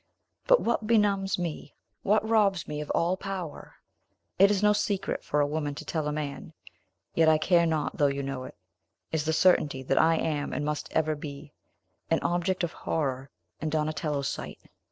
But what benumbs me, what robs me of all power, it is no secret for a woman to tell a man, yet I care not though you know it, is the certainty that I am, and must ever be, an object of horror in Donatello's sight."